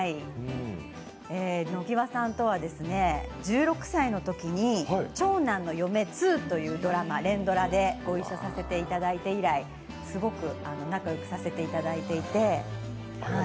野際さんとは１６歳のときに「長男の嫁２」という連ドラでご一緒させていただいて以来すごく仲良くさせていただいて。